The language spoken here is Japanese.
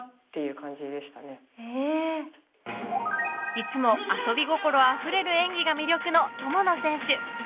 いつも遊び心あふれる演技が魅力の友野選手。